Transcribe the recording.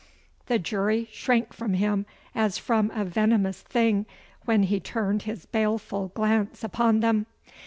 The jury shrank from him as from a venomous thing when he turned his baleful glance upon them.